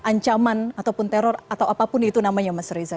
ancaman ataupun teror atau apapun itu namanya mas reza